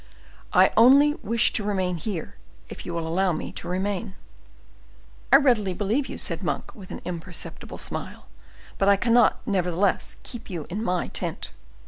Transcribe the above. "I only wish to remain here, if you will allow me to remain." "I readily believe you," said Monk, with an imperceptible smile, "but I cannot, nevertheless, keep you in my tent."